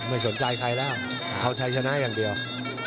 ไม่สนใจใครแล้วเอาชัยชนะอย่างเดียว